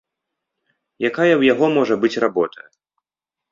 Якая ў яго можа быць работа?